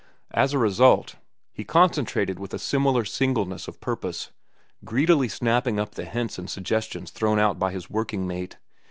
As a result, he concentrated with a similar singleness of purpose, greedily snapping up the hints and suggestions thrown out by his working mate.